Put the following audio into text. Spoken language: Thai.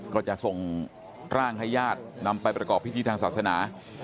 ก็จะส่งร่างให้ญาตินำไปประกอบพิธีทางศาสนา